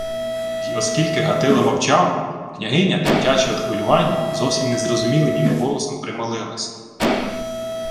Й оскільки Гатило мовчав, княгиня тремтячим од хвилювання, зовсім незрозумілим йому голосом примолилася: